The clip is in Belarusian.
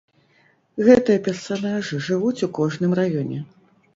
Гэтыя персанажы жывуць у кожным раёне.